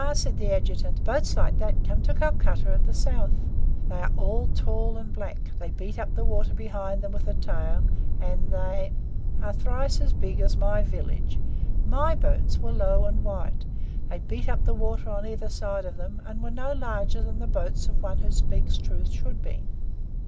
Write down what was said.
said the Adjutant. "Boats like those come to Calcutta of the South. They are tall and black, they beat up the water behind them with a tail, and they " "Are thrice as big as my village. MY boats were low and white; they beat up the water on either side of them and were no larger than the boats of one who speaks truth should be.